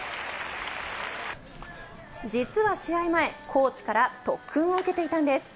実は試合前、コーチから特訓を受けていたんです。